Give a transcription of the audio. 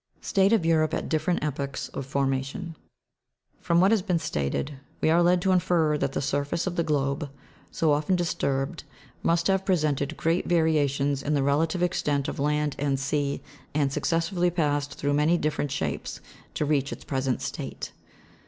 STATE OF EUROPE AT DIFFERENT EPOCHS OF FORMATION. From what has been stated, we are led to infer that the surface 192 SILURIAN AND DEVONIAN EPOCHS. of the globe, so often disturbed, must have presented great varia tions in the relative extent of land and sea, and successively passed through many different shapes, to reach its present state.